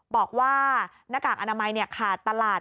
บอกว่าหน้ากากอนามัยขาดตลาด